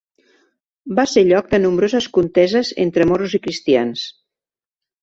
Va ser lloc de nombroses conteses entre moros i cristians.